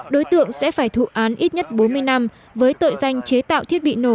đối tượng sẽ phải thụ án ít nhất bốn mươi năm với tội danh chế tạo thiết bị nổ